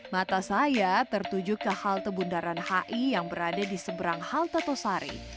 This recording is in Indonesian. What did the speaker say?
mata saya tertuju ke halte bundaran hi yang berada di seberang halte tosari